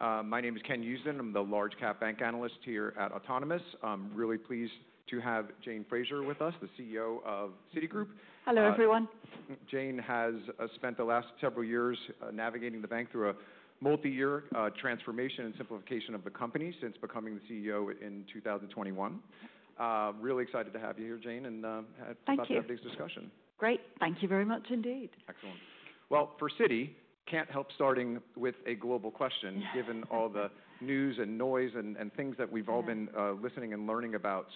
My name is Ken Husen. I'm the large-cap bank analyst here at Autonomous. I'm really pleased to have Jane Fraser with us, the CEO of Citigroup. Hello, everyone. Jane has spent the last several years navigating the bank through a multi-year transformation and simplification of the company since becoming the CEO in 2021. Really excited to have you here, Jane, and Thank you have a great discussion. Great. Thank you very much indeed. Excellent. For Citi, can't help starting with a global question, given all the news and noise and things that we've all been listening and learning about.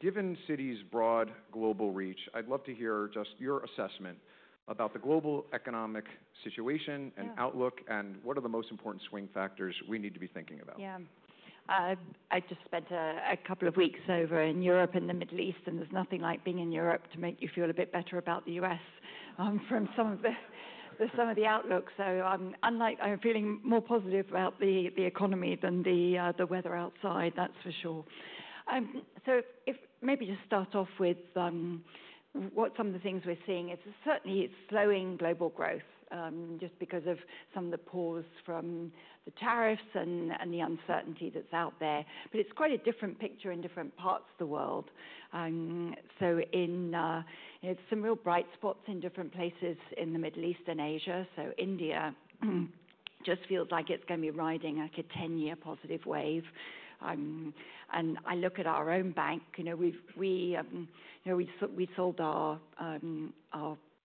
Given Citi's broad global reach, I'd love to hear just your assessment about the global economic situation and outlook, and what are the most important swing factors we need to be thinking about. Yeah. I just spent a couple of weeks over in Europe and the Middle East, and there is nothing like being in Europe to make you feel a bit better about the U.S. from some of the outlook. I am feeling more positive about the economy than the weather outside, that is for sure. Maybe just start off with what some of the things we are seeing. It is certainly slowing global growth just because of some of the pause from the tariffs and the uncertainty that is out there. It is quite a different picture in different parts of the world. There are some real bright spots in different places in the Middle East and Asia. India just feels like it is going to be riding like a 10-year positive wave. I look at our own bank. We sold our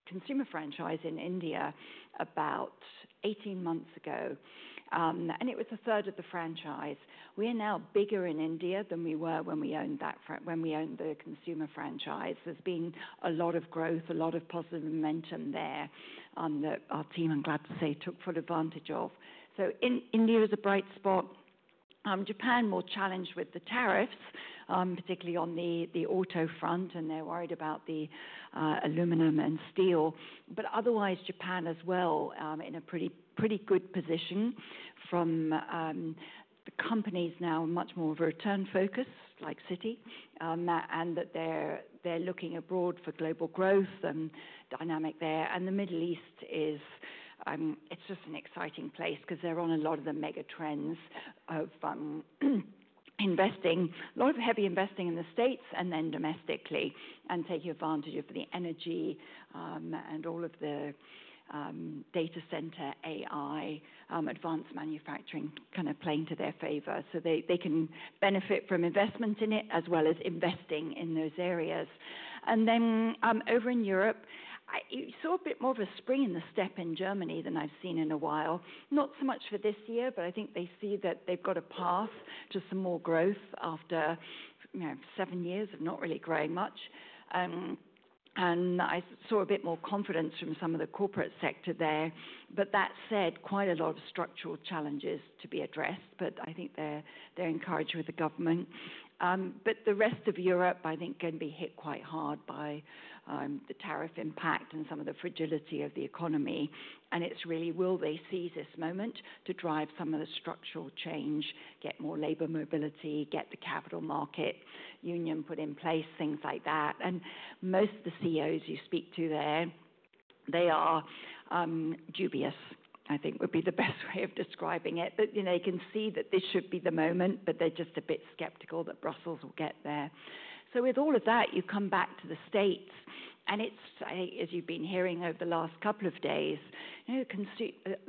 consumer franchise in India about 18 months ago, and it was a third of the franchise. We are now bigger in India than we were when we owned the consumer franchise. There has been a lot of growth, a lot of positive momentum there that our team, I'm glad to say, took full advantage of. India is a bright spot. Japan, more challenged with the tariffs, particularly on the auto front, and they are worried about the aluminum and steel. Otherwise, Japan as well, in a pretty good position from the companies now, much more of a return focus like Citi, and that they are looking abroad for global growth and dynamic there. The Middle East, it's just an exciting place because they're on a lot of the mega trends of investing, a lot of heavy investing in the States and then domestically, and taking advantage of the energy and all of the data center, AI, advanced manufacturing kind of playing to their favor. They can benefit from investment in it as well as investing in those areas. Over in Europe, you saw a bit more of a spring in the step in Germany than I've seen in a while. Not so much for this year, but I think they see that they've got a path to some more growth after seven years of not really growing much. I saw a bit more confidence from some of the corporate sector there. That said, quite a lot of structural challenges to be addressed, but I think they're encouraged with the government. The rest of Europe, I think, is going to be hit quite hard by the tariff impact and some of the fragility of the economy. It is really, will they seize this moment to drive some of the structural change, get more labor mobility, get the capital market union put in place, things like that. Most of the CEOs you speak to there, they are dubious, I think would be the best way of describing it. They can see that this should be the moment, but they're just a bit skeptical that Brussels will get there. With all of that, you come back to the States, and it's, as you've been hearing over the last couple of days, the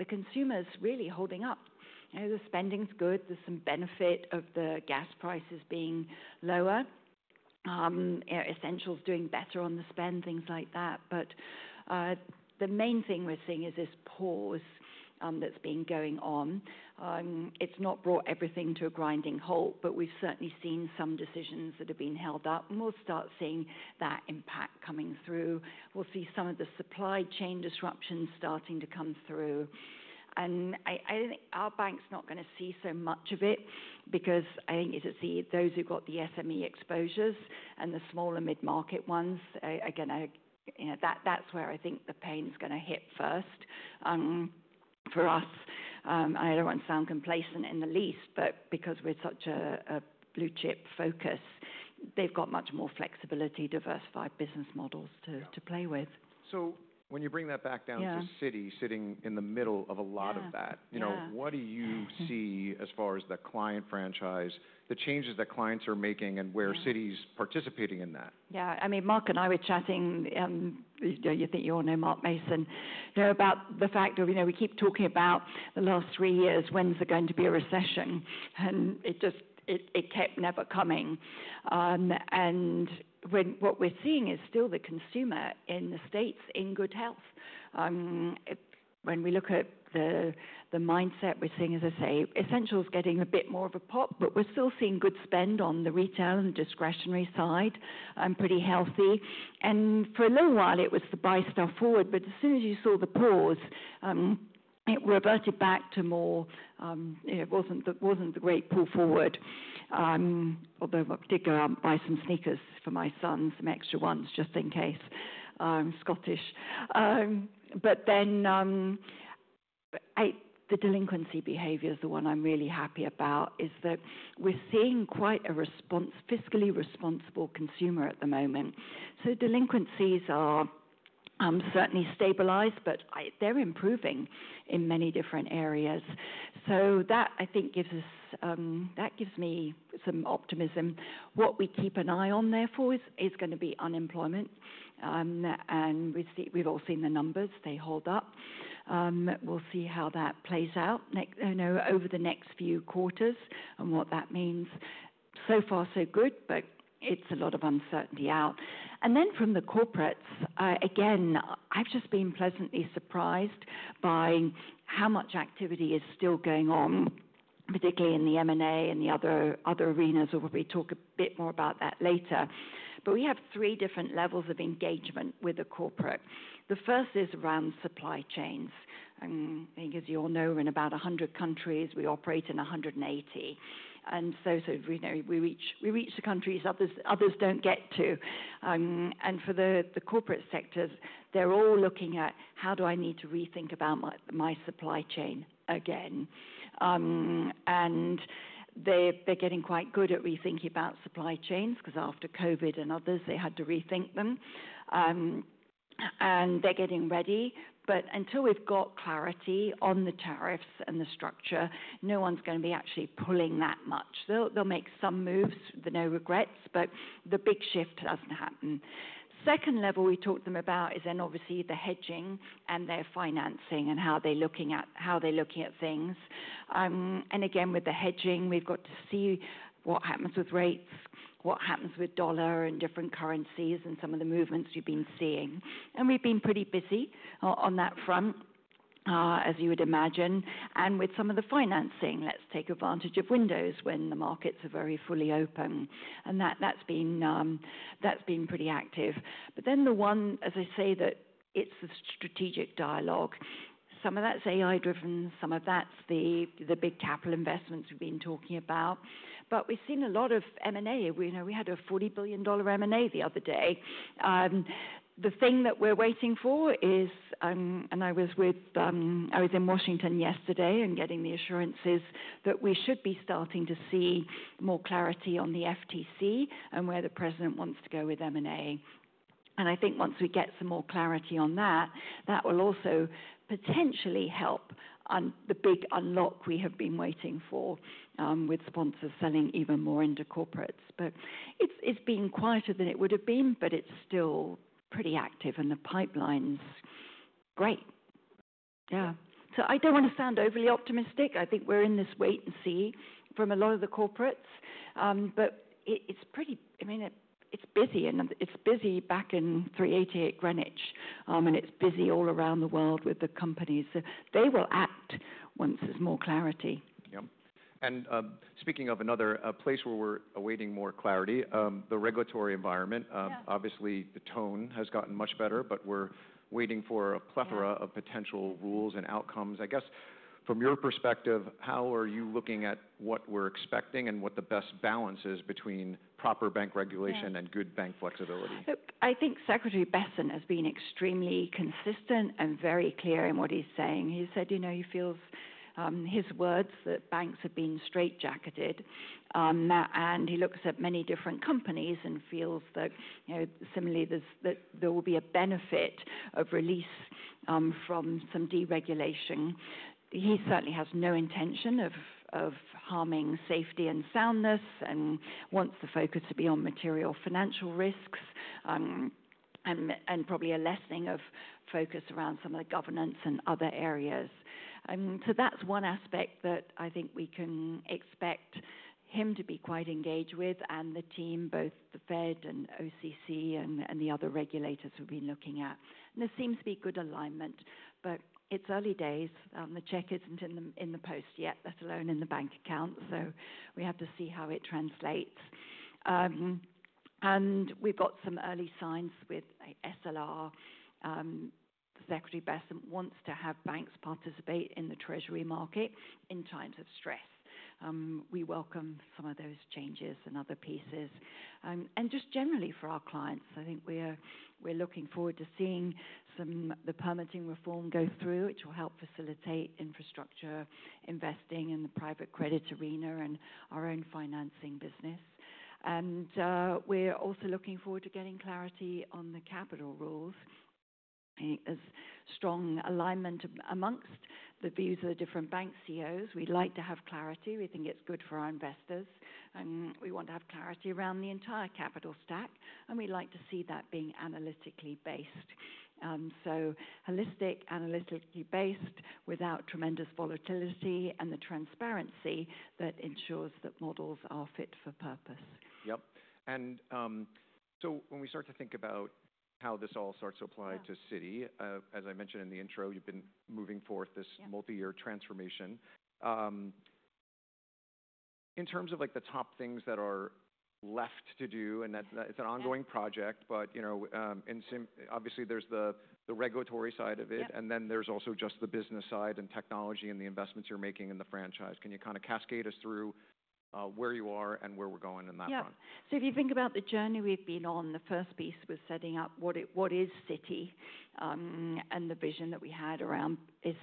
consumer's really holding up. The spending's good. There's some benefit of the gas prices being lower. Essentials doing better on the spend, things like that. The main thing we're seeing is this pause that's been going on. It's not brought everything to a grinding halt, but we've certainly seen some decisions that have been held up, and we'll start seeing that impact coming through. We'll see some of the supply chain disruptions starting to come through. I think our bank's not going to see so much of it because I think it's those who've got the SME exposures and the small and mid-market ones. Again, that's where I think the pain's going to hit first for us. I don't want to sound complacent in the least, but because we're such a blue chip focus, they've got much more flexibility, diversified business models to play with. When you bring that back down to Citi sitting in the middle of a lot of that, what do you see as far as the client franchise, the changes that clients are making, and where Citi's participating in that? Yeah. I mean, Mark and I were chatting, you think you all know Mark Mason, about the fact that we keep talking about the last three years, when's there going to be a recession? It just, it kept never coming. What we're seeing is still the consumer in the States in good health. When we look at the mindset, we're seeing, as I say, essentials getting a bit more of a pop, but we're still seeing good spend on the retail and discretionary side, pretty healthy. For a little while, it was the buy stuff forward, but as soon as you saw the pause, it reverted back to more, it wasn't the great pull forward. Although I did go out and buy some sneakers for my son, some extra ones, just in case, Scottish. The delinquency behavior is the one I'm really happy about, is that we're seeing quite a fiscally responsible consumer at the moment. Delinquencies are certainly stabilized, but they're improving in many different areas. That gives us, that gives me some optimism. What we keep an eye on therefore is going to be unemployment. We've all seen the numbers, they hold up. We'll see how that plays out over the next few quarters and what that means. So far, so good, but it's a lot of uncertainty out. From the corporates, again, I've just been pleasantly surprised by how much activity is still going on, particularly in the M&A and the other arenas, or we'll talk a bit more about that later. We have three different levels of engagement with the corporate. The first is around supply chains. I think, as you all know, we're in about 100 countries, we operate in 180. We reach the countries others don't get to. For the corporate sectors, they're all looking at, how do I need to rethink about my supply chain again? They're getting quite good at rethinking about supply chains because after COVID and others, they had to rethink them. They're getting ready. Until we've got clarity on the tariffs and the structure, no one's going to be actually pulling that much. They'll make some moves, no regrets, but the big shift doesn't happen. The second level we talk to them about is then obviously the hedging and their financing and how they're looking at things. Again, with the hedging, we've got to see what happens with rates, what happens with dollar and different currencies and some of the movements we've been seeing. We've been pretty busy on that front, as you would imagine. With some of the financing, let's take advantage of windows when the markets are very fully open. That's been pretty active. The one, as I say, that it's the strategic dialogue. Some of that's AI driven, some of that's the big capital investments we've been talking about. We've seen a lot of M&A. We had a $40 billion M&A the other day. The thing that we're waiting for is, I was in Washington yesterday and getting the assurances that we should be starting to see more clarity on the FTC and where the president wants to go with M&A. I think once we get some more clarity on that, that will also potentially help the big unlock we have been waiting for with sponsors selling even more into corporates. It's been quieter than it would have been, but it's still pretty active and the pipeline's great. Yeah. I don't want to sound overly optimistic. I think we're in this wait and see from a lot of the corporates. But it's pretty, I mean, it's busy. And it's busy back in 388 Greenwich, and it's busy all around the world with the companies. They will act once there's more clarity. Yeah. Speaking of another place where we're awaiting more clarity, the regulatory environment, obviously the tone has gotten much better, but we're waiting for a plethora of potential rules and outcomes. I guess from your perspective, how are you looking at what we're expecting and what the best balance is between proper bank regulation and good bank flexibility? I think Secretary Bessent has been extremely consistent and very clear in what he's saying. He said he feels his words that banks have been straightjacketed. He looks at many different companies and feels that similarly there will be a benefit of release from some deregulation. He certainly has no intention of harming safety and soundness and wants the focus to be on material financial risks and probably a lessening of focus around some of the governance and other areas. That is one aspect that I think we can expect him to be quite engaged with and the team, both the Fed and OCC and the other regulators we have been looking at. There seems to be good alignment, but it is early days. The check is not in the post yet, let alone in the bank account. We have to see how it translates. We've got some early signs with SLR. Secretary Bessent wants to have banks participate in the Treasury market in times of stress. We welcome some of those changes and other pieces. Just generally for our clients, I think we're looking forward to seeing the permitting reform go through, which will help facilitate infrastructure investing in the private credit arena and our own financing business. We're also looking forward to getting clarity on the capital rules. There's strong alignment amongst the views of the different bank CEOs. We'd like to have clarity. We think it's good for our investors. We want to have clarity around the entire capital stack, and we'd like to see that being analytically based. Holistic, analytically based without tremendous volatility and the transparency that ensures that models are fit for purpose. Yep. And so, when we start to think about how this all starts to apply to Citi, as I mentioned in the intro, you've been moving forward this multi-year transformation. In terms of the top things that are left to do, and it's an ongoing project, but obviously there's the regulatory side of it, and then there's also just the business side and technology and the investments you're making in the franchise. Can you kind of cascade us through where you are and where we're going in that front? Yeah. If you think about the journey we've been on, the first piece was setting up what is Citi and the vision that we had around is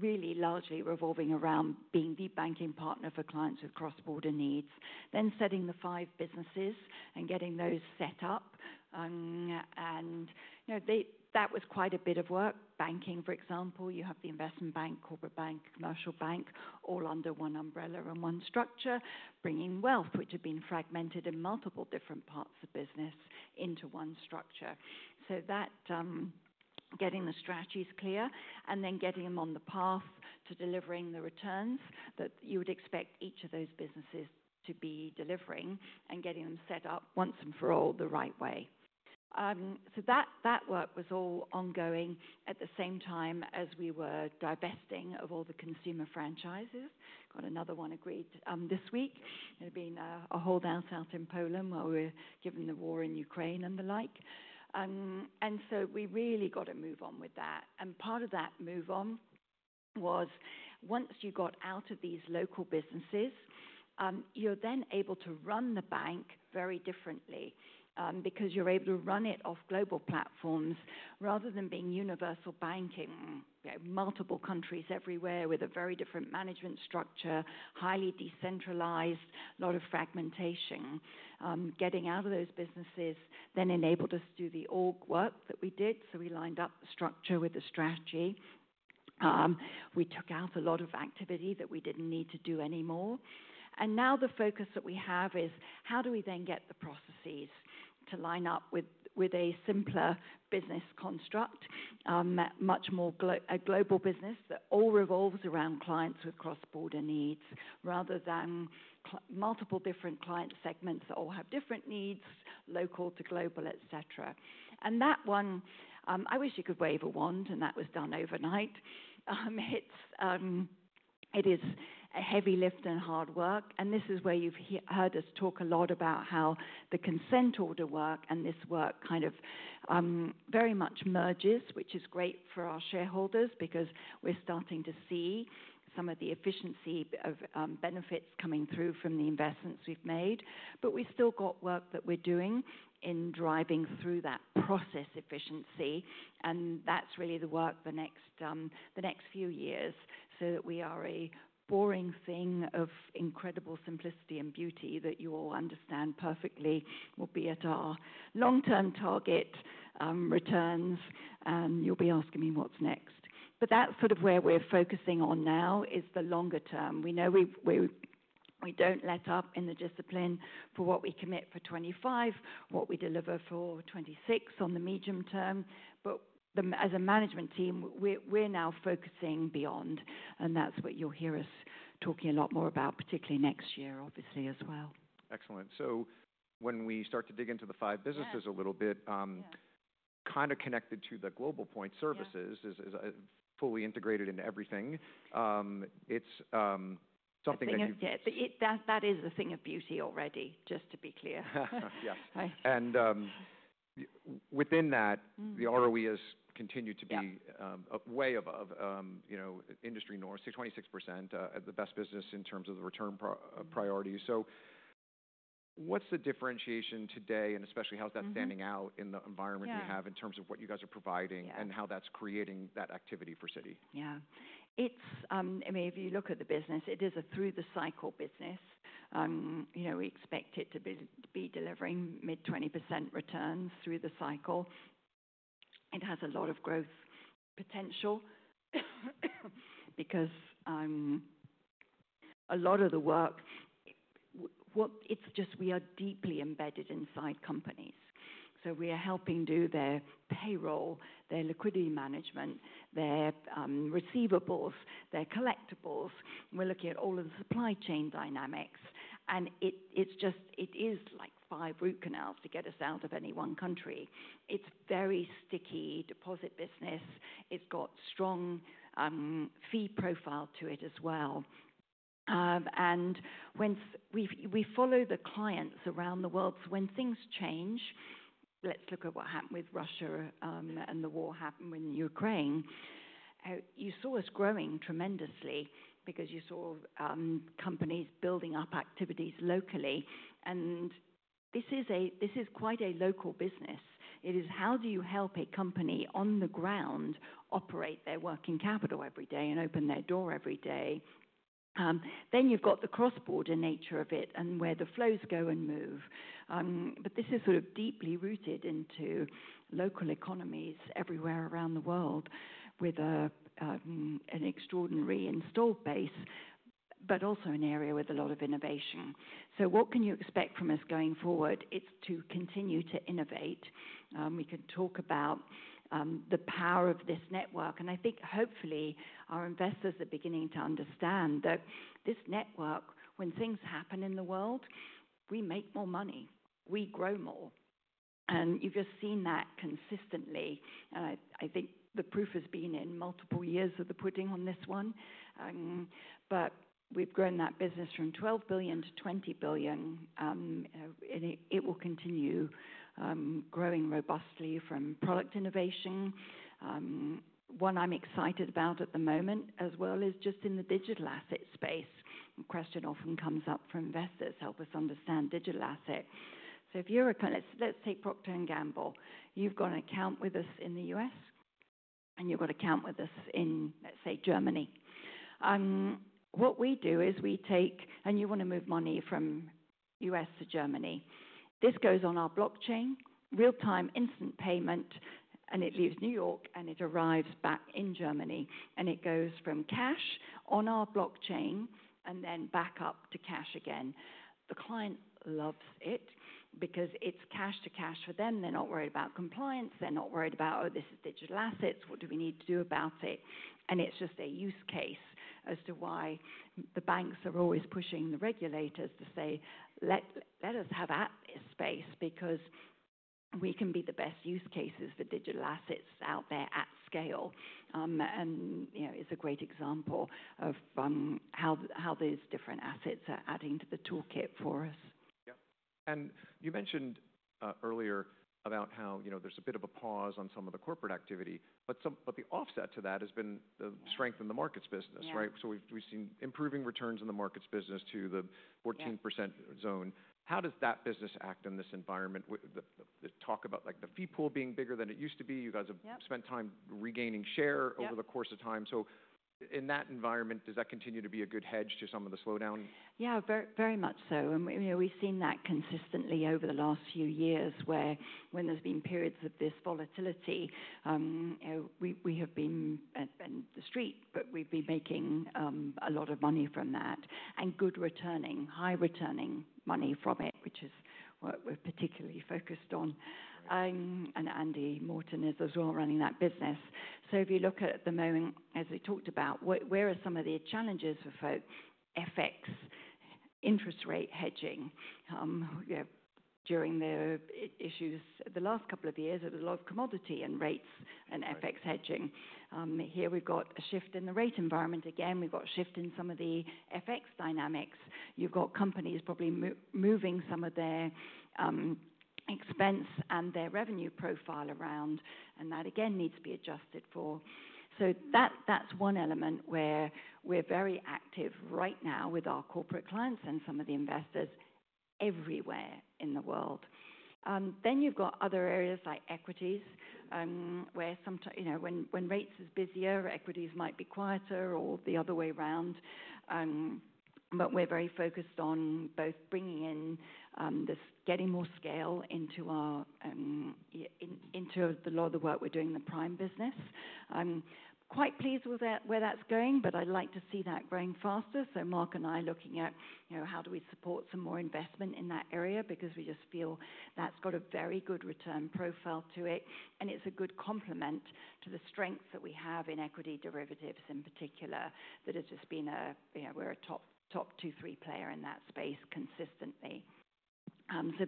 really largely revolving around being the banking partner for clients with cross-border needs, then setting the five businesses and getting those set up. That was quite a bit of work. Banking, for example, you have the investment bank, corporate bank, commercial bank, all under one umbrella and one structure, bringing wealth, which had been fragmented in multiple different parts of business into one structure. Getting the strategies clear and then getting them on the path to delivering the returns that you would expect each of those businesses to be delivering and getting them set up once and for all the right way. That work was all ongoing at the same time as we were divesting of all the consumer franchises. Got another one agreed this week. There had been a holdout south in Poland where we were given the war in Ukraine and the like. We really got to move on with that. Part of that move on was once you got out of these local businesses, you are then able to run the bank very differently because you are able to run it off global platforms rather than being universal banking, multiple countries everywhere with a very different management structure, highly decentralized, a lot of fragmentation. Getting out of those businesses then enabled us to do the org work that we did. We lined up the structure with the strategy. We took out a lot of activity that we did not need to do anymore. Now the focus that we have is how do we then get the processes to line up with a simpler business construct, much more a global business that all revolves around clients with cross-border needs rather than multiple different client segments that all have different needs, local to global, et cetera. That one, I wish you could wave a wand, and that was done overnight. It is a heavy lift and hard work. This is where you've heard us talk a lot about how the consent order work and this work kind of very much merges, which is great for our shareholders because we're starting to see some of the efficiency of benefits coming through from the investments we've made. We've still got work that we're doing in driving through that process efficiency. That is really the work the next few years so that we are a boring thing of incredible simplicity and beauty that you all understand perfectly will be at our long-term target returns. You will be asking me what is next. That is sort of where we are focusing on now, the longer term. We know we do not let up in the discipline for what we commit for 2025, what we deliver for 2026 on the medium term. As a management team, we are now focusing beyond. That is what you will hear us talking a lot more about, particularly next year, obviously as well. Excellent. When we start to dig into the five businesses a little bit, kind of connected to the global point, services is fully integrated into everything. It's something that you. That is the thing of beauty already, just to be clear. Yes. Within that, the ROE has continued to be way above industry norms, 26%, the best business in terms of the return priority. What is the differentiation today and especially how is that standing out in the environment you have in terms of what you guys are providing and how that is creating that activity for Citi? Yeah. I mean, if you look at the business, it is a through-the-cycle business. We expect it to be delivering mid-20% returns through the cycle. It has a lot of growth potential because a lot of the work, it's just we are deeply embedded inside companies. We are helping do their payroll, their liquidity management, their receivables, their collectibles. We are looking at all of the supply chain dynamics. It is like five root canals to get us out of any one country. It is very sticky deposit business. It has got strong fee profile to it as well. We follow the clients around the world. When things change, let's look at what happened with Russia and the war happened with Ukraine. You saw us growing tremendously because you saw companies building up activities locally. This is quite a local business. It is how do you help a company on the ground operate their working capital every day and open their door every day. You have the cross-border nature of it and where the flows go and move. This is sort of deeply rooted into local economies everywhere around the world with an extraordinary installed base, but also an area with a lot of innovation. What can you expect from us going forward? It is to continue to innovate. We can talk about the power of this network. I think hopefully our investors are beginning to understand that this network, when things happen in the world, we make more money. We grow more. You have just seen that consistently. I think the proof has been in multiple years of the putting on this one. We have grown that business from $12 billion to $20 billion. It will continue growing robustly from product innovation. One I'm excited about at the moment as well is just in the digital asset space. The question often comes up from investors, help us understand digital asset. If you're a, let's take Procter & Gamble. You've got an account with us in the U.S. and you've got an account with us in, let's say, Germany. What we do is we take, and you want to move money from U.S. to Germany. This goes on our blockchain, real-time instant payment, and it leaves New York and it arrives back in Germany. It goes from cash on our blockchain and then back up to cash again. The client loves it because it's cash to cash for them. They're not worried about compliance. They're not worried about, oh, this is digital assets. What do we need to do about it? It is just a use case as to why the banks are always pushing the regulators to say, let us have access space because we can be the best use cases for digital assets out there at scale. It is a great example of how these different assets are adding to the toolkit for us. Yeah. You mentioned earlier about how there's a bit of a pause on some of the corporate activity, but the offset to that has been the strength in the markets business, right? We've seen improving returns in the markets business to the 14% zone. How does that business act in this environment? Talk about the fee pool being bigger than it used to be. You guys have spent time regaining share over the course of time. In that environment, does that continue to be a good hedge to some of the slowdown? Yeah, very much so. We've seen that consistently over the last few years where when there's been periods of this volatility, we have been at the street, but we've been making a lot of money from that and good returning, high returning money from it, which is what we're particularly focused on. Andy Morton is as well running that business. If you look at the moment, as we talked about, where are some of the challenges for FX interest rate hedging during the issues the last couple of years? It was a lot of commodity and rates and FX hedging. Here, we've got a shift in the rate environment. Again, we've got a shift in some of the FX dynamics. You've got companies probably moving some of their expense and their revenue profile around, and that again needs to be adjusted for. That's one element where we're very active right now with our corporate clients and some of the investors everywhere in the world. You have other areas like equities where sometimes when rates are busier, equities might be quieter or the other way around. We're very focused on both bringing in this, getting more scale into a lot of the work we're doing in the prime business. Quite pleased with where that's going, but I'd like to see that growing faster. Mark and I are looking at how do we support some more investment in that area because we just feel that's got a very good return profile to it. It's a good complement to the strengths that we have in equity derivatives in particular that has just been a, we're a top two, three player in that space consistently.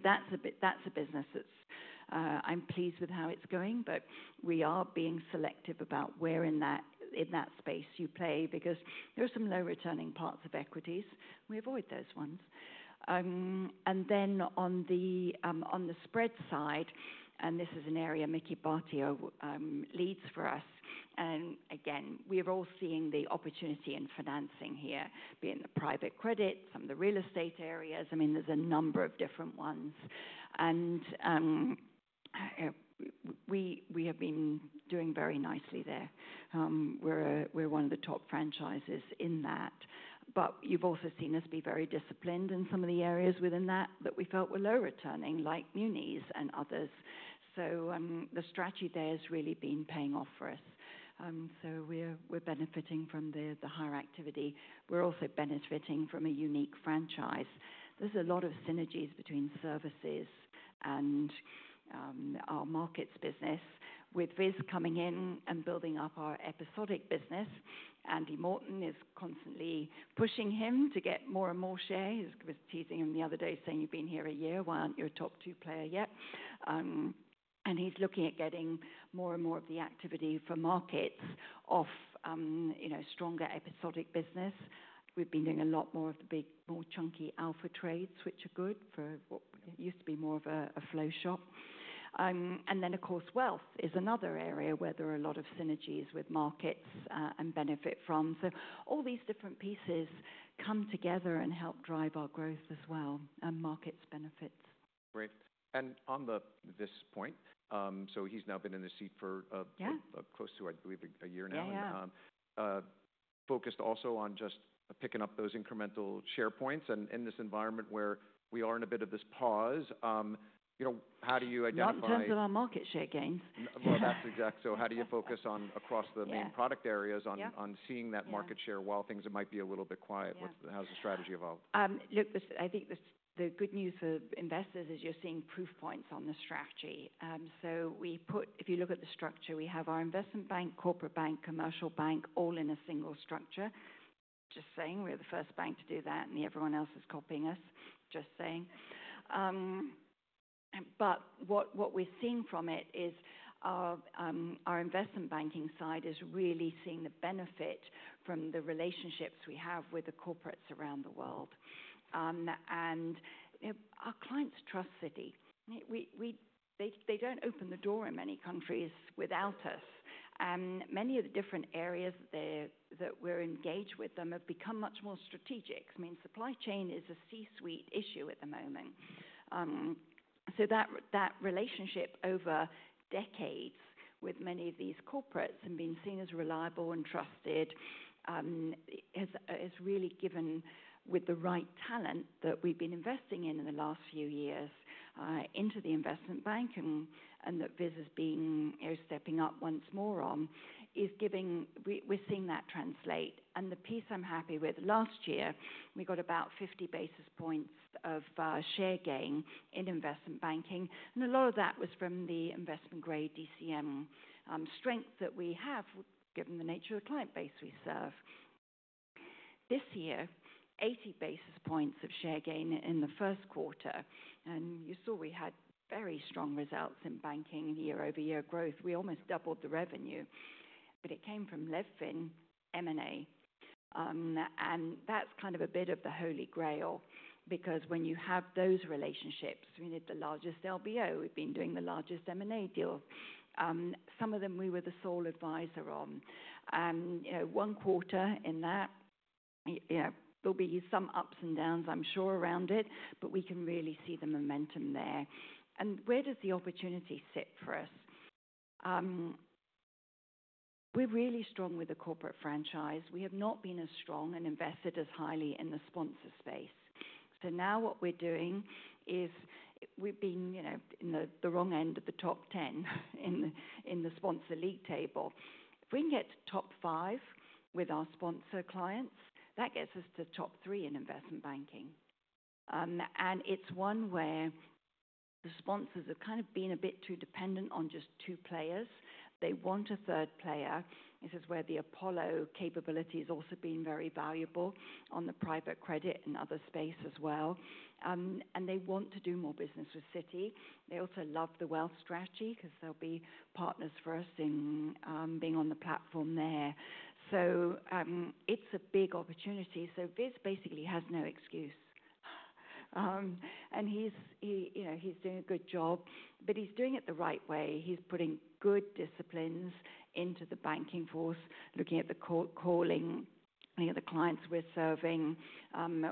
That's a business that I'm pleased with how it's going, but we are being selective about where in that space you play because there are some low returning parts of equities. We avoid those ones. On the spread side, and this is an area Mickey Batory leads for us. Again, we are all seeing the opportunity in financing here, being the private credit, some of the real estate areas. I mean, there's a number of different ones. We have been doing very nicely there. We're one of the top franchises in that. You've also seen us be very disciplined in some of the areas within that that we felt were low returning, like Munis and others. The strategy there has really been paying off for us. We're benefiting from the higher activity. We're also benefiting from a unique franchise. There's a lot of synergies between services and our markets business with Viswas coming in and building up our episodic business. Andy Morton is constantly pushing him to get more and more share. He was teasing him the other day saying, you've been here a year. Why aren't you a top two player yet? He's looking at getting more and more of the activity for markets off stronger episodic business. We've been doing a lot more of the big, more chunky alpha trades, which are good for what used to be more of a flow shop. Wealth is another area where there are a lot of synergies with markets and benefit from. All these different pieces come together and help drive our growth as well and markets benefits. Great. On this point, he has now been in the seat for close to, I believe, a year now, focused also on just picking up those incremental share points. In this environment where we are in a bit of this pause, how do you identify? In terms of our market share gains. That's exact. So, how do you focus on across the main product areas on seeing that market share while things might be a little bit quiet? How's the strategy evolved? Look, I think the good news for investors is you're seeing proof points on the strategy. If you look at the structure, we have our investment bank, corporate bank, commercial bank, all in a single structure. Just saying, we're the first bank to do that and everyone else is copying us, just saying. What we're seeing from it is our investment banking side is really seeing the benefit from the relationships we have with the corporates around the world. Our clients trust Citi. They do not open the door in many countries without us. Many of the different areas that we're engaged with them have become much more strategic. I mean, supply chain is a C-suite issue at the moment. That relationship over decades with many of these corporates and being seen as reliable and trusted has really given, with the right talent that we've been investing in in the last few years into the investment bank and that Viz has been stepping up once more on, is giving, we're seeing that translate. The piece I'm happy with, last year, we got about 50 basis points of share gain in investment banking. A lot of that was from the investment grade DCM strength that we have, given the nature of the client base we serve. This year, 80 basis points of share gain in the first quarter. You saw we had very strong results in banking and year-over-year growth. We almost doubled the revenue, but it came from Levfin, M&A. That's kind of a bit of the Holy Grail because when you have those relationships, we need the largest LBO. We've been doing the largest M&A deal. Some of them we were the sole advisor on. One quarter in that, there'll be some ups and downs, I'm sure, around it, but we can really see the momentum there. Where does the opportunity sit for us? We're really strong with the corporate franchise. We have not been as strong and invested as highly in the sponsor space. Now what we're doing is we've been in the wrong end of the top 10 in the sponsor league table. If we can get to top five with our sponsor clients, that gets us to top three in investment banking. It's one where the sponsors have kind of been a bit too dependent on just two players. They want a third player. This is where the Apollo capability has also been very valuable on the private credit and other space as well. They want to do more business with Citi. They also love the wealth strategy because they'll be partners for us in being on the platform there. It's a big opportunity. Viz basically has no excuse. He's doing a good job, but he's doing it the right way. He's putting good disciplines into the banking force, looking at the calling, looking at the clients we're serving.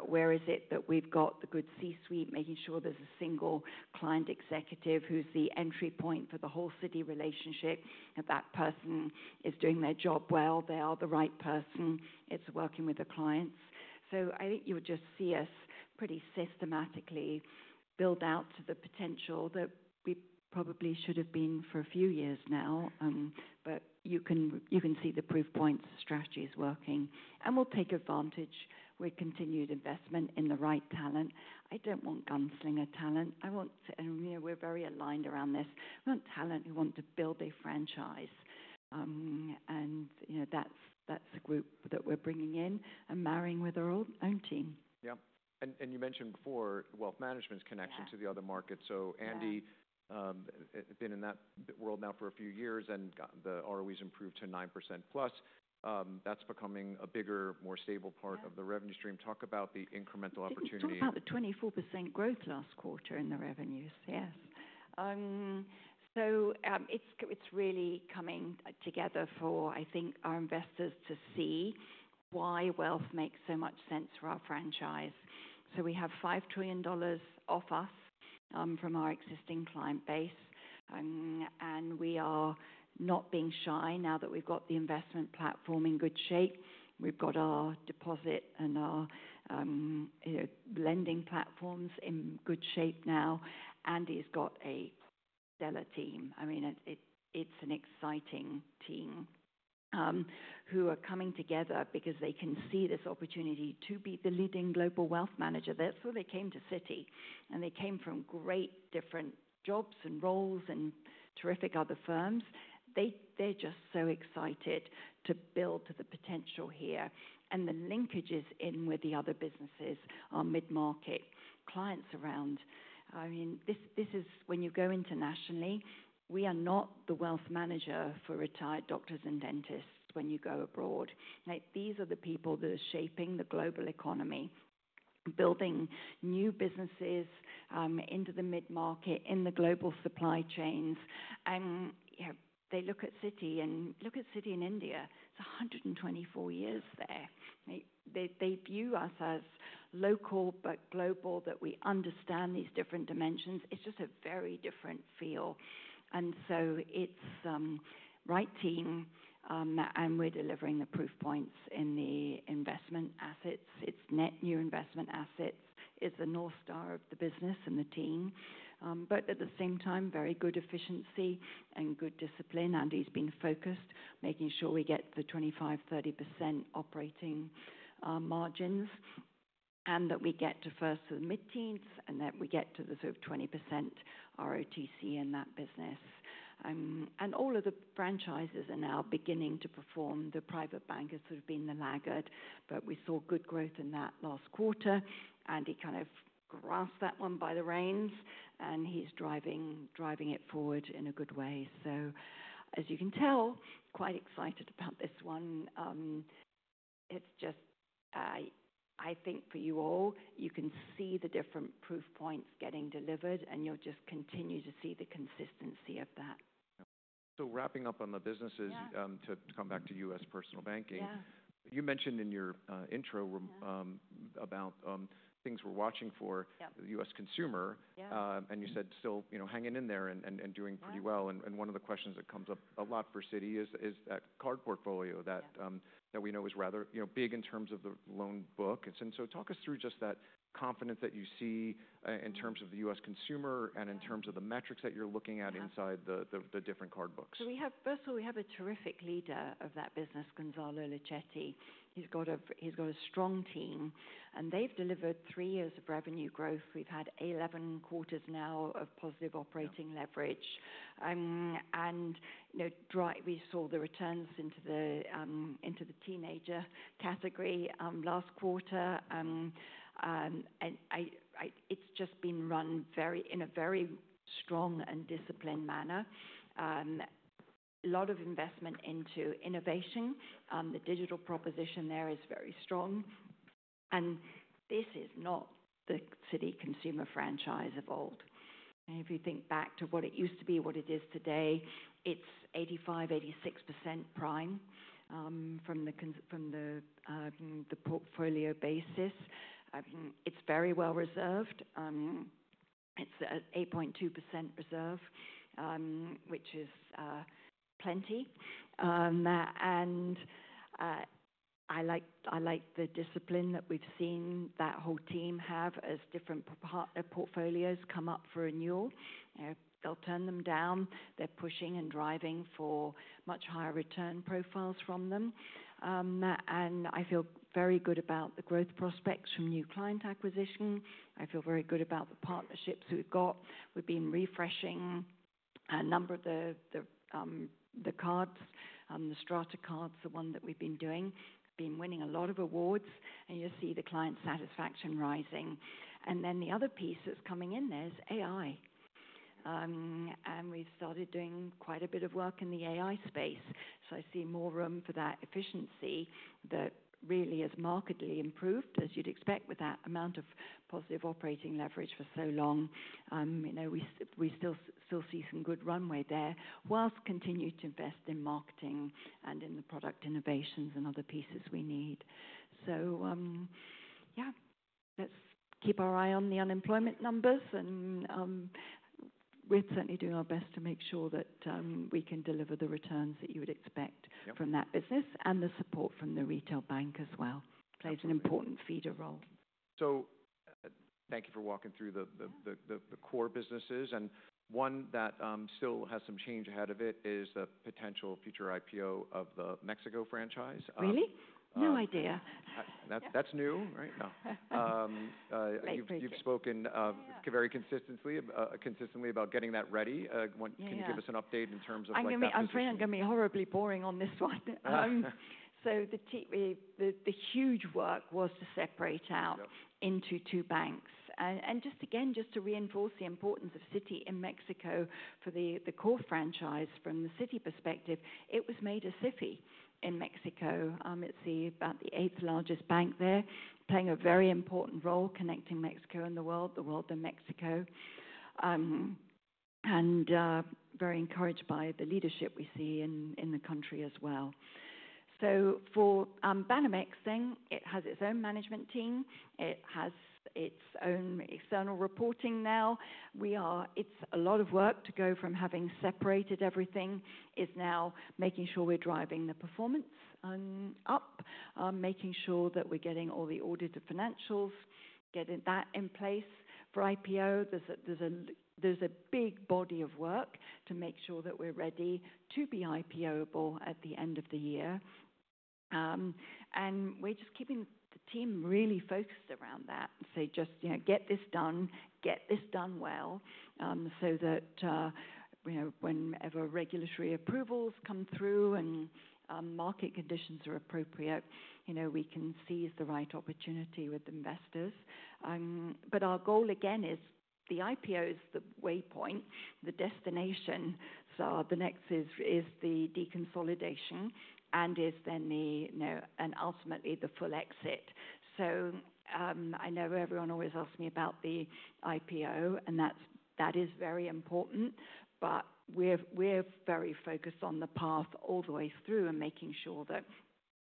Where is it that we've got the good C-suite, making sure there's a single client executive who's the entry point for the whole Citi relationship, and that person is doing their job well. They are the right person. It's working with the clients. I think you would just see us pretty systematically build out to the potential that we probably should have been for a few years now. You can see the proof points strategy is working. We'll take advantage with continued investment in the right talent. I do not want gunslinger talent. I want, and we're very aligned around this, talent who want to build a franchise. That's the group that we're bringing in and marrying with our own team. Yeah. You mentioned before wealth management's connection to the other markets. Andy has been in that world now for a few years, and the ROE has improved to 9% plus. That's becoming a bigger, more stable part of the revenue stream. Talk about the incremental opportunity. We talked about the 24% growth last quarter in the revenues. Yes. It's really coming together for, I think, our investors to see why wealth makes so much sense for our franchise. We have $5 trillion off us from our existing client base. We are not being shy now that we've got the investment platform in good shape. We've got our deposit and our lending platforms in good shape now. Andy's got a stellar team. I mean, it's an exciting team who are coming together because they can see this opportunity to be the leading global wealth manager. That's why they came to Citi. They came from great different jobs and roles and terrific other firms. They're just so excited to build to the potential here. The linkages in with the other businesses are mid-market clients around. I mean, this is when you go internationally, we are not the wealth manager for retired doctors and dentists when you go abroad. These are the people that are shaping the global economy, building new businesses into the mid-market, in the global supply chains. They look at Citi and look at Citi in India. It's 124 years there. They view us as local but global, that we understand these different dimensions. It's just a very different feel. It is the right team, and we're delivering the proof points in the investment assets. Net new investment assets is the North Star of the business and the team. At the same time, very good efficiency and good discipline. Andy's been focused making sure we get the 25%-30% operating margins and that we get to first to the mid-teens and that we get to the sort of 20% ROTC in that business. All of the franchises are now beginning to perform. The private bank has sort of been the laggard, but we saw good growth in that last quarter. Andy kind of grasped that one by the reins, and he's driving it forward in a good way. As you can tell, quite excited about this one. It's just, I think for you all, you can see the different proof points getting delivered, and you'll just continue to see the consistency of that. Wrapping up on the businesses, to come back to you as personal banking. You mentioned in your intro about things we're watching for the U.S. consumer, and you said still hanging in there and doing pretty well. One of the questions that comes up a lot for Citi is that card portfolio that we know is rather big in terms of the loan book. Talk us through just that confidence that you see in terms of the U.S. consumer and in terms of the metrics that you're looking at inside the different card books. First of all, we have a terrific leader of that business, Gonzalo Lecetti. He's got a strong team, and they've delivered three years of revenue growth. We've had 11 quarters now of positive operating leverage. We saw the returns into the teenager category last quarter. It's just been run in a very strong and disciplined manner. A lot of investment into innovation. The digital proposition there is very strong. This is not the Citi consumer franchise of old. If you think back to what it used to be, what it is today, it's 85%-86% prime from the portfolio basis. It's very well reserved. It's an 8.2% reserve, which is plenty. I like the discipline that we've seen that whole team have as different partner portfolios come up for renewal. They'll turn them down. They're pushing and driving for much higher return profiles from them. I feel very good about the growth prospects from new client acquisition. I feel very good about the partnerships we've got. We've been refreshing a number of the cards, the Strata cards, the one that we've been doing, been winning a lot of awards, and you see the client satisfaction rising. The other piece that's coming in there is AI. We've started doing quite a bit of work in the AI space. I see more room for that efficiency that really has markedly improved, as you'd expect with that amount of positive operating leverage for so long. We still see some good runway there whilst continuing to invest in marketing and in the product innovations and other pieces we need. Yeah, let's keep our eye on the unemployment numbers, and we're certainly doing our best to make sure that we can deliver the returns that you would expect from that business and the support from the retail bank as well. Plays an important feeder role. Thank you for walking through the core businesses. And one that still has some change ahead of it is the potential future IPO of the Mexico franchise. Really? No idea. That's new, right? You've spoken very consistently about getting that ready. Can you give us an update in terms of? I'm afraid I'm going to be horribly boring on this one. The huge work was to separate out into two banks. Just again, just to reinforce the importance of Citi in Mexico for the core franchise from the Citi perspective, it was made a Citi in Mexico. It's about the eighth largest bank there, playing a very important role connecting Mexico and the world, the world and Mexico. Very encouraged by the leadership we see in the country as well. For Banamex, it has its own management team. It has its own external reporting now. It's a lot of work to go from having separated everything. It's now making sure we're driving the performance up, making sure that we're getting all the audited financials, getting that in place for IPO. is a big body of work to make sure that we are ready to be IPO able at the end of the year. We are just keeping the team really focused around that. Just get this done, get this done well so that whenever regulatory approvals come through and market conditions are appropriate, we can seize the right opportunity with investors. Our goal again is the IPO is the waypoint, the destination. The next is the deconsolidation and is then the, and ultimately the full exit. I know everyone always asks me about the IPO, and that is very important, but we're very focused on the path all the way through and making sure that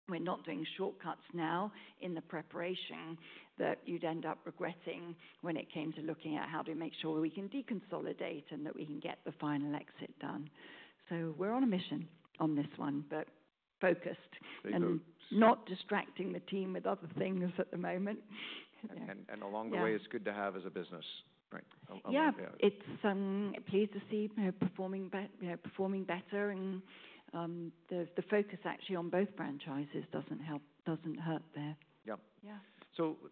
we're not doing shortcuts now in the preparation that you'd end up regretting when it came to looking at how to make sure we can deconsolidate and that we can get the final exit done. We're on a mission on this one, but focused and not distracting the team with other things at the moment. It's good to have as a business, right? Yeah. It's pleased to see performing better. The focus actually on both franchises doesn't hurt there. Yeah.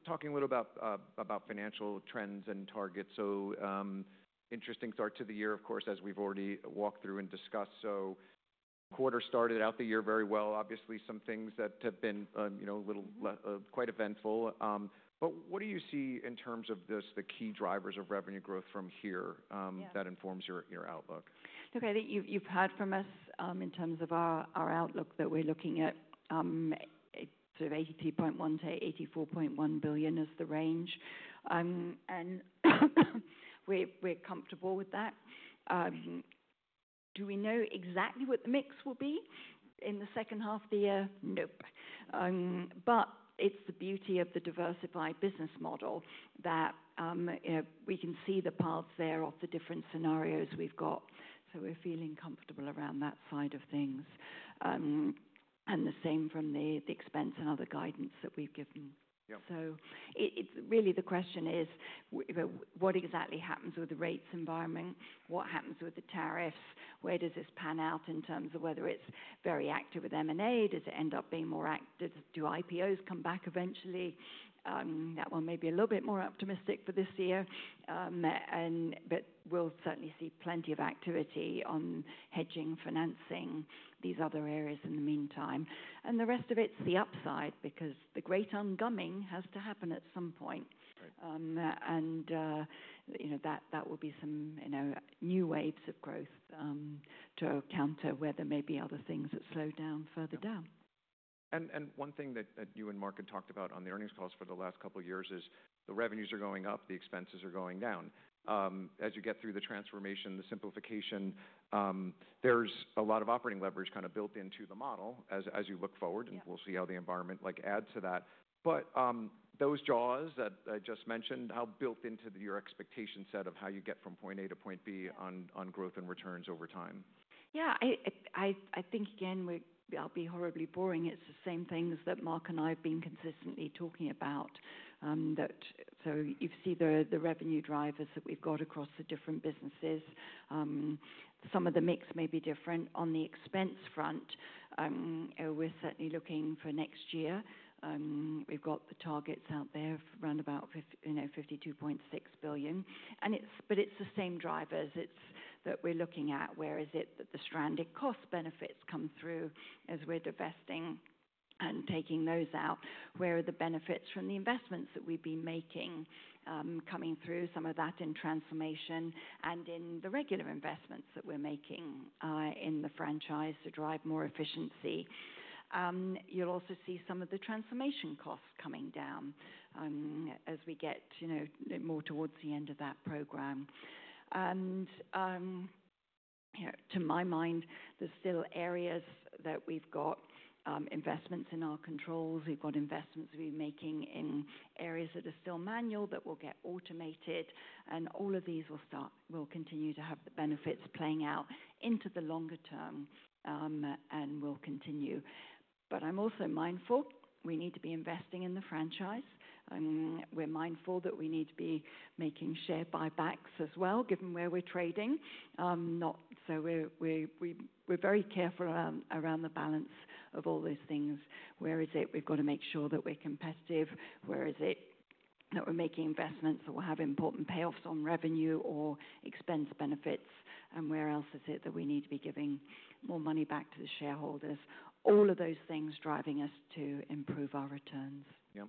Talking a little about financial trends and targets. Interesting start to the year, of course, as we've already walked through and discussed. The quarter started out the year very well. Obviously, some things that have been a little quite eventful. What do you see in terms of the key drivers of revenue growth from here that informs your outlook? Okay. You've heard from us in terms of our outlook that we're looking at sort of $82.1 billion-$84.1 billion as the range. We're comfortable with that. Do we know exactly what the mix will be in the second half of the year? Nope. It's the beauty of the diversified business model that we can see the paths there of the different scenarios we've got. We're feeling comfortable around that side of things. The same from the expense and other guidance that we've given. Really the question is, what exactly happens with the rates environment? What happens with the tariffs? Where does this pan out in terms of whether it's very active with M&A? Does it end up being more active? Do IPOs come back eventually? That one may be a little bit more optimistic for this year. We'll certainly see plenty of activity on hedging, financing, these other areas in the meantime. The rest of it's the upside because the great ungumming has to happen at some point. That will be some new waves of growth to counter where there may be other things that slow down further down. One thing that you and Mark had talked about on the earnings calls for the last couple of years is the revenues are going up, the expenses are going down. As you get through the transformation, the simplification, there is a lot of operating leverage kind of built into the model as you look forward, and we will see how the environment adds to that. Those jaws that I just mentioned, how built into your expectation set of how you get from point A to point B on growth and returns over time? Yeah. I think, again, I'll be horribly boring. It's the same things that Mark and I have been consistently talking about. You've seen the revenue drivers that we've got across the different businesses. Some of the mix may be different. On the expense front, we're certainly looking for next year. We've got the targets out there for around about $52.6 billion. It's the same drivers that we're looking at. Where is it that the stranded cost benefits come through as we're divesting and taking those out? Where are the benefits from the investments that we've been making coming through? Some of that in transformation and in the regular investments that we're making in the franchise to drive more efficiency. You'll also see some of the transformation costs coming down as we get more towards the end of that program. To my mind, there's still areas that we've got investments in our controls. We've got investments we're making in areas that are still manual that will get automated. All of these will continue to have the benefits playing out into the longer term, and we'll continue. I'm also mindful we need to be investing in the franchise. We're mindful that we need to be making share buybacks as well, given where we're trading. We're very careful around the balance of all those things. Where is it we've got to make sure that we're competitive? Where is it that we're making investments that will have important payoffs on revenue or expense benefits? Where else is it that we need to be giving more money back to the shareholders? All of those things driving us to improve our returns. Yeah.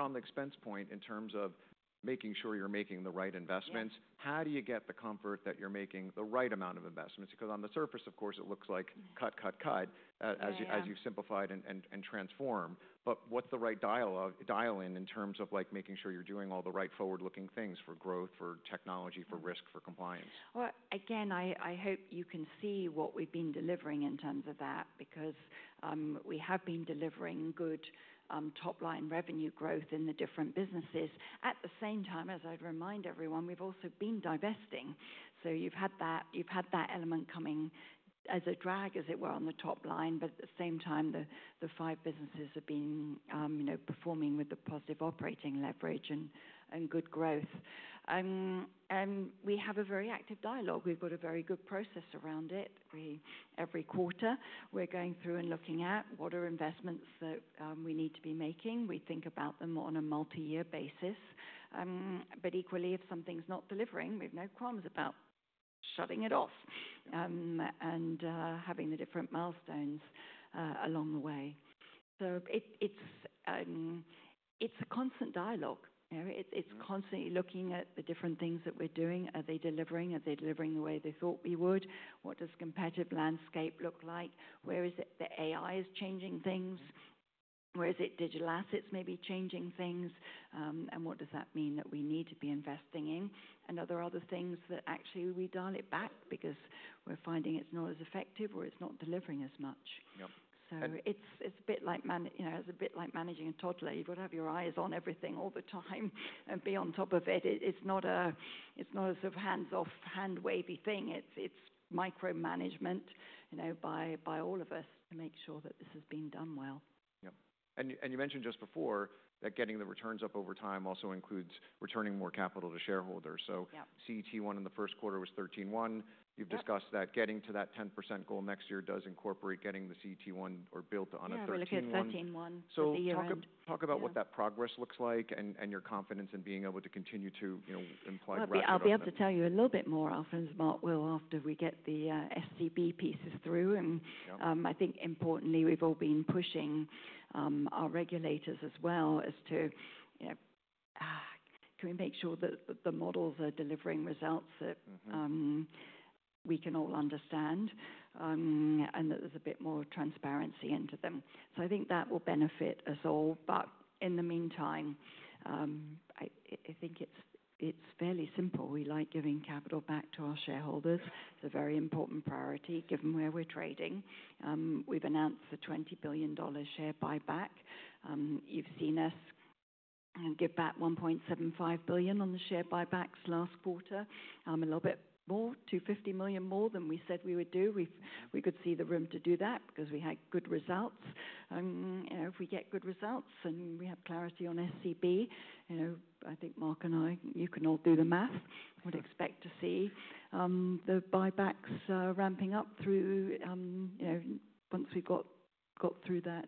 On the expense point, in terms of making sure you're making the right investments, how do you get the comfort that you're making the right amount of investments? Because on the surface, of course, it looks like cut, cut, cut as you've simplified and transformed. What's the right dial in in terms of making sure you're doing all the right forward-looking things for growth, for technology, for risk, for compliance? I hope you can see what we've been delivering in terms of that because we have been delivering good top-line revenue growth in the different businesses. At the same time, as I'd remind everyone, we've also been divesting. You've had that element coming as a drag, as it were, on the top line. At the same time, the five businesses have been performing with the positive operating leverage and good growth. We have a very active dialogue. We've got a very good process around it. Every quarter, we're going through and looking at what are investments that we need to be making. We think about them on a multi-year basis. Equally, if something's not delivering, we've no qualms about shutting it off and having the different milestones along the way. It's a constant dialogue. It's constantly looking at the different things that we're doing. Are they delivering? Are they delivering the way they thought we would? What does the competitive landscape look like? Where is it that AI is changing things? Where is it digital assets may be changing things? What does that mean that we need to be investing in? Are there other things that actually we dial it back because we're finding it's not as effective or it's not delivering as much? It's a bit like managing a toddler. You've got to have your eyes on everything all the time and be on top of it. It's not a sort of hands-off, hand-wavy thing. It's micromanagement by all of us to make sure that this has been done well. Yeah. You mentioned just before that getting the returns up over time also includes returning more capital to shareholders. CET1 in the first quarter was 13.1%. You've discussed that getting to that 10% goal next year does incorporate getting the CET1 or built on a 13.1%. Yeah, we're looking at $13.1 billion for the year. Talk about what that progress looks like and your confidence in being able to continue to imply. I'll be able to tell you a little bit more, Alfonso, after we get the SCB pieces through. I think importantly, we've all been pushing our regulators as well as to, can we make sure that the models are delivering results that we can all understand and that there's a bit more transparency into them? I think that will benefit us all. In the meantime, I think it's fairly simple. We like giving capital back to our shareholders. It's a very important priority given where we're trading. We've announced the $20 billion share buyback. You've seen us give back $1.75 billion on the share buybacks last quarter, a little bit more, $250 million more than we said we would do. We could see the room to do that because we had good results. If we get good results and we have clarity on SCB, I think Mark and I, you can all do the math. We'd expect to see the buybacks ramping up through once we've got through that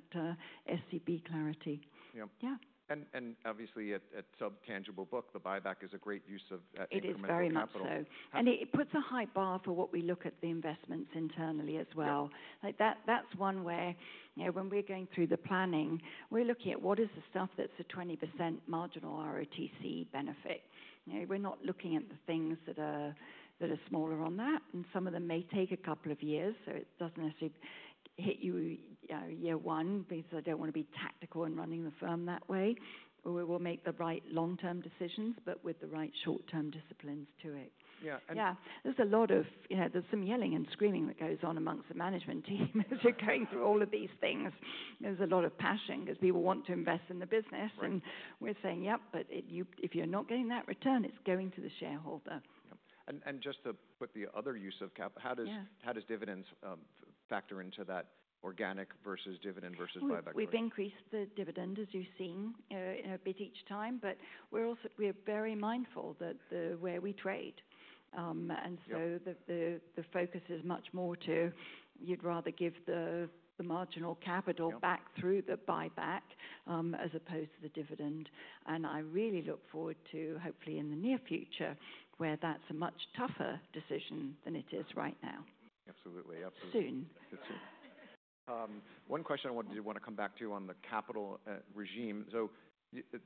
SCB clarity. Yeah. Obviously, at sub tangible book, the buyback is a great use of incremental capital. It is very much so. It puts a high bar for what we look at the investments internally as well. That's one where when we're going through the planning, we're looking at what is the stuff that's a 20% marginal ROTC benefit. We're not looking at the things that are smaller on that. Some of them may take a couple of years. It doesn't necessarily hit you year one because I don't want to be tactical in running the firm that way. We will make the right long-term decisions, but with the right short-term disciplines to it. Yeah. There's a lot of, there's some yelling and screaming that goes on amongst the management team as you're going through all of these things. There's a lot of passion because people want to invest in the business. We're saying, yep, if you're not getting that return, it's going to the shareholder. Just to put the other use of capital, how does dividends factor into that organic versus dividend versus buyback? We've increased the dividend, as you've seen, a bit each time. We are very mindful that where we trade. The focus is much more to you'd rather give the marginal capital back through the buyback as opposed to the dividend. I really look forward to, hopefully in the near future, where that's a much tougher decision than it is right now. Absolutely. Absolutely. Soon. One question I wanted to come back to you on the capital regime.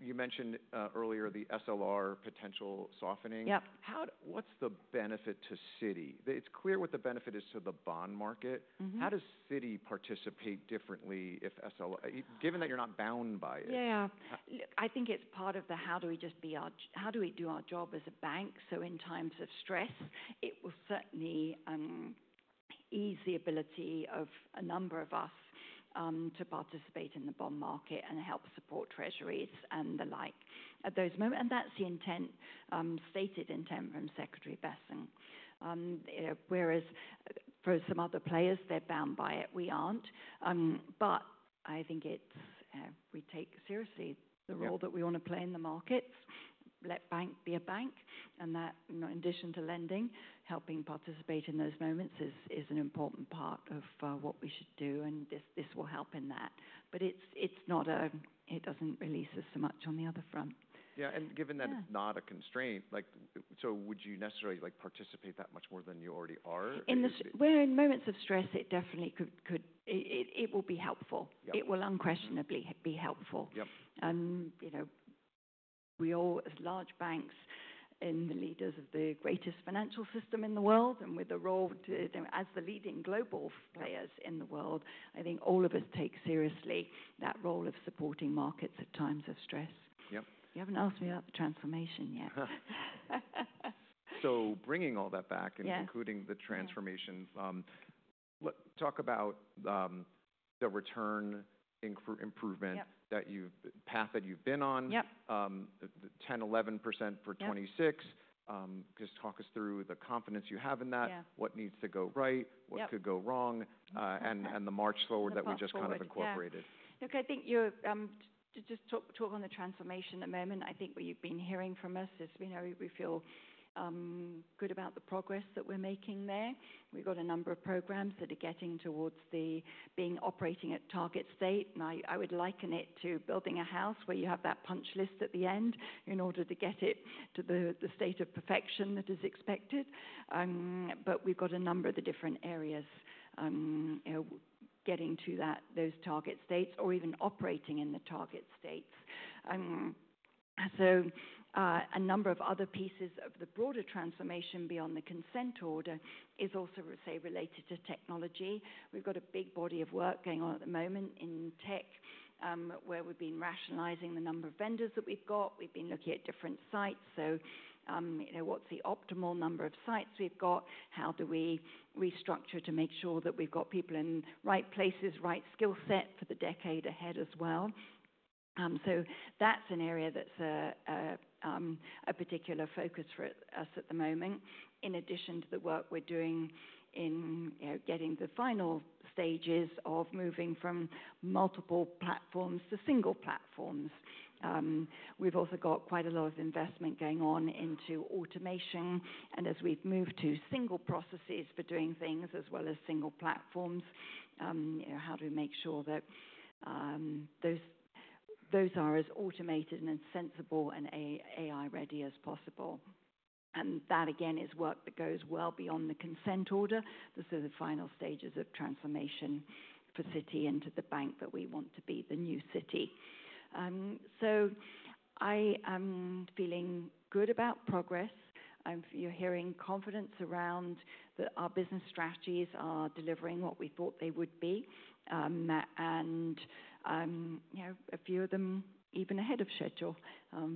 You mentioned earlier the SLR potential softening. What's the benefit to Citi? It's clear what the benefit is to the bond market. How does Citi participate differently if SLR, given that you're not bound by it? Yeah. I think it's part of the, how do we just be our, how do we do our job as a bank? In times of stress, it will certainly ease the ability of a number of us to participate in the bond market and help support treasuries and the like at those moments. That is the stated intent from Secretary Bessent. Whereas for some other players, they are bound by it. We are not. I think we take seriously the role that we want to play in the markets. Let bank be a bank. That, in addition to lending, helping participate in those moments is an important part of what we should do. This will help in that. It does not release us so much on the other front. Yeah. Given that it's not a constraint, would you necessarily participate that much more than you already are? In moments of stress, it definitely could, it will be helpful. It will unquestionably be helpful. We all, as large banks and the leaders of the greatest financial system in the world and with the role as the leading global players in the world, I think all of us take seriously that role of supporting markets at times of stress. You have not asked me about the transformation yet. Bringing all that back and including the transformation, talk about the return improvement path that you've been on, 10-11% for 2026. Just talk us through the confidence you have in that, what needs to go right, what could go wrong, and the march forward that we just kind of incorporated. Look, I think just talk on the transformation at the moment. I think what you've been hearing from us is we feel good about the progress that we're making there. We've got a number of programs that are getting towards being operating at target state. I would liken it to building a house where you have that punch list at the end in order to get it to the state of perfection that is expected. We've got a number of the different areas getting to those target states or even operating in the target states. A number of other pieces of the broader transformation beyond the consent order is also, say, related to technology. We've got a big body of work going on at the moment in tech where we've been rationalizing the number of vendors that we've got. We've been looking at different sites. What is the optimal number of sites we have? How do we restructure to make sure that we have people in the right places, with the right skill set for the decade ahead as well? That is an area that is a particular focus for us at the moment, in addition to the work we are doing in getting the final stages of moving from multiple platforms to single platforms. We also have quite a lot of investment going on into automation. As we have moved to single processes for doing things as well as single platforms, how do we make sure that those are as automated and sensible and AI-ready as possible? That, again, is work that goes well beyond the consent order. Those are the final stages of transformation for Citi into the bank that we want to be, the new Citi. I am feeling good about progress. You're hearing confidence around that our business strategies are delivering what we thought they would be. A few of them even ahead of schedule,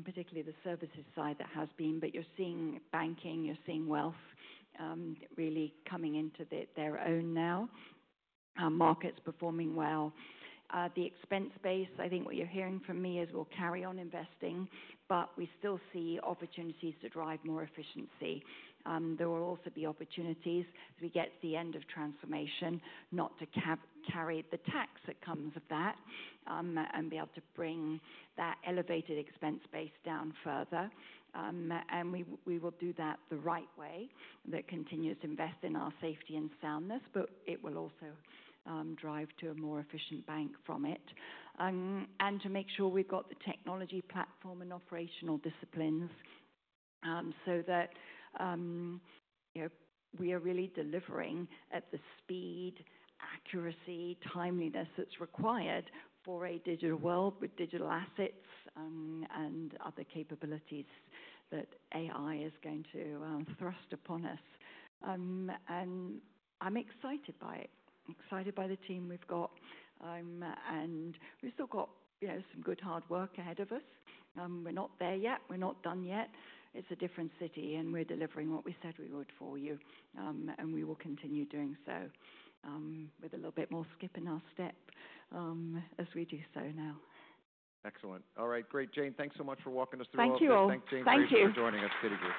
particularly the services side that has been. You're seeing banking, you're seeing wealth really coming into their own now, markets performing well. The expense base, I think what you're hearing from me is we'll carry on investing, but we still see opportunities to drive more efficiency. There will also be opportunities as we get to the end of transformation not to carry the tax that comes with that and be able to bring that elevated expense base down further. We will do that the right way that continues to invest in our safety and soundness, but it will also drive to a more efficient bank from it. To make sure we've got the technology platform and operational disciplines so that we are really delivering at the speed, accuracy, timeliness that's required for a digital world with digital assets and other capabilities that AI is going to thrust upon us. I'm excited by it, excited by the team we've got. We've still got some good hard work ahead of us. We're not there yet. We're not done yet. It's a different Citi and we're delivering what we said we would for you. We will continue doing so with a little bit more skip in our step as we do so now. Excellent. All right. Great. Jane, thanks so much for walking us through. Thank you. Thanks, Jane, for joining us, Citigroup.